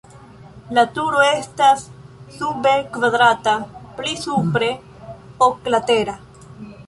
La turo estas sube kvadrata, pli supre oklatera.